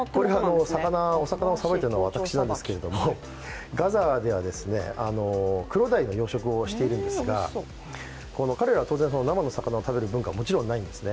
魚をさばいているのは私なんですけれども、ガザでは、クロダイの養殖をしているんですが彼らは当然、生の魚を食べる文化はもちろんないんですね。